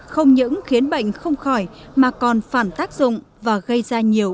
không những khiến bệnh không khỏi mà còn phản tác dụng và gây ra nhiều